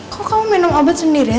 kok kamu minum obat sendiri ya